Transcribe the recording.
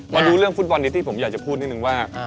มาดูเรื่องฟุตบอลนี้ที่ผมอยากจะพูดนิดนึงว่า